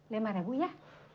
lima rebu ya